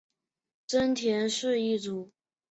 真田氏一族。